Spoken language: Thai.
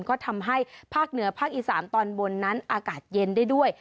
ก็ทำให้ภาคเหนือภาคอีสานตอนบนนั้นอากาศเย็นได้ด้วย